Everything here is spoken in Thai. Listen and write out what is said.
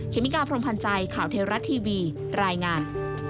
เมกาพรมพันธ์ใจข่าวเทวรัฐทีวีรายงาน